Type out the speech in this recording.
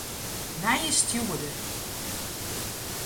Nije stjoerder.